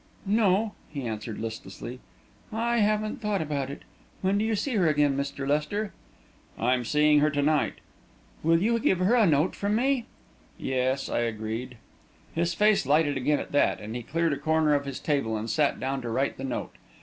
"No," he answered, listlessly, "I haven't thought about it. When do you see her again, Mr. Lester?" "I'm to see her to night." "Will you give her a note from me?" "Yes," I agreed. His face lighted again at that, and he cleared a corner of his table and sat down to write the note.